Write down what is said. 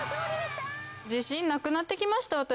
自信なくなってきました私。